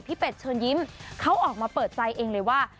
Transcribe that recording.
เป็ดเชิญยิ้มเขาออกมาเปิดใจเองเลยว่า